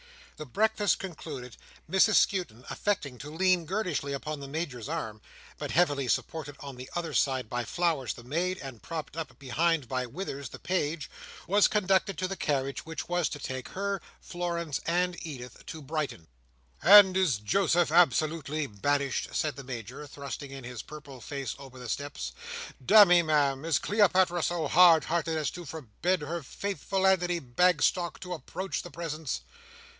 The breakfast concluded, Mrs Skewton, affecting to lean girlishly upon the Major's arm, but heavily supported on the other side by Flowers the maid, and propped up behind by Withers the page, was conducted to the carriage, which was to take her, Florence, and Edith to Brighton. "And is Joseph absolutely banished?" said the Major, thrusting in his purple face over the steps. "Damme, Ma'am, is Cleopatra so hard hearted as to forbid her faithful Antony Bagstock to approach the presence?"